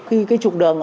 khi cái trục đường ở